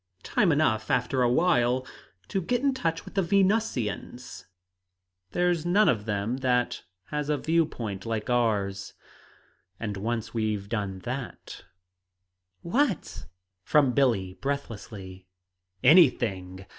"Time enough, after a while, to get in touch with the Venusians. There's none of them that has a view point like ours. And once we've done that " "What?" from Billie, breathlessly. "Anything!